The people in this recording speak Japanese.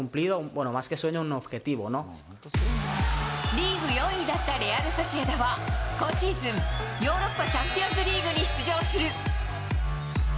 リーグ４位だったレアル・ソシエダは、今シーズン、ヨーロッパチャンピオンズリーグに出場する。